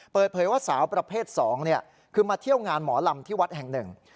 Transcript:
เปิดเผยว่าสาวประเภท๒คือมาเที่ยวงานหมอลำที่วัดแห่งหนึ่ง